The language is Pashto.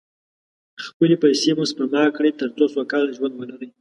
خپلې پیسې مو سپما کړئ، تر څو سوکاله ژوند ولرئ.